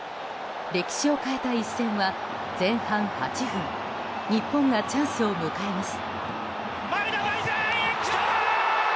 歴史を変えた一戦は前半８分日本がチャンスを迎えます。